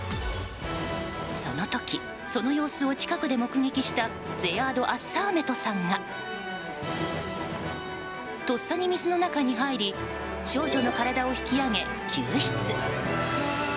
その時その様子を近くで目撃したゼヤード・アッサーメトさんがとっさに水の中に入り少女の体を引き上げ救出。